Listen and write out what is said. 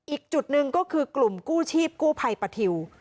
อีกจุดหนึ่งก็คือกลุ่มกู้ชีพกู้ภัยปะทิว